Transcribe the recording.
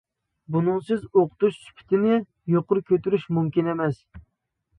بۇنىڭسىز ئوقۇتۇش سۈپىتىنى يۇقىرى كۆتۈرۈش مۇمكىن ئەمەس.